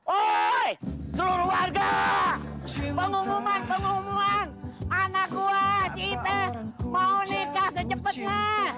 oi seluruh warga pengumuman pengumuman anak gue cita mau nikah sejak hari ini